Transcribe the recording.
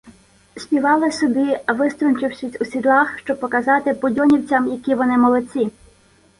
Співали собі, виструнчившись у сідлах, щоб показати "будьонівцям", які вони молодці.